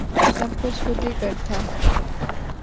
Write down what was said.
سب کچھ خود ہی کر تھا